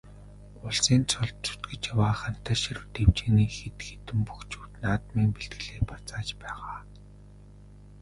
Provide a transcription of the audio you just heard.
Улсын цолд зүтгэж яваа Хантайшир дэвжээний хэд хэдэн бөхчүүд наадмын бэлтгэлээ базааж байгаа.